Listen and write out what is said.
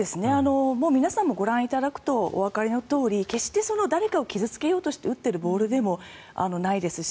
皆さんもご覧いただくとおわかりのとおり決して誰かを傷付けようとして打っているボールでもないですし。